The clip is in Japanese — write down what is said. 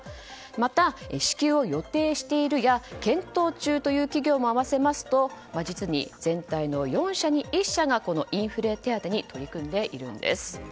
また、支給を予定しているや検討中という企業も合わせると実に全体の４社に１社がインフレ手当に取り組んでいるんです。